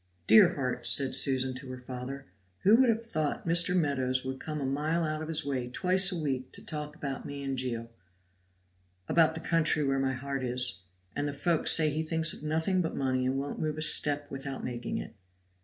"Dear heart," said Susan to her father, "who would have thought Mr. Meadows would come a mile out of his way twice a week to talk to me about Geo about the country where my heart is and the folk say he thinks of nothing but money and won't move a step without making it."